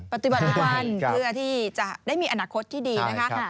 ปัจจุบันเพื่อที่จะได้มีอนาคตที่ดีนะคะ